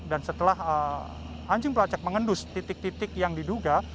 dan setelah anjing pelacak mengendus titik titik yang diduga